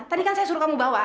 tadi kan saya suruh kamu bawa